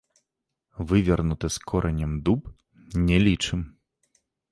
Вывернуты з коранем дуб не лічым.